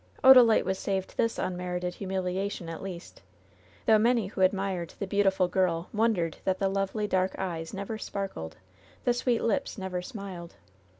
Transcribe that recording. Odalite was saved this unmerited humiliation, at least — though many who admired the beautiful girl won LOVE'S BITTEREST CUP 86 dered that the lovely, dark eyes never sparkled, the sweet lips never smiled.